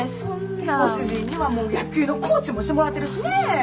ご主人には野球のコーチもしてもらってるしねえ。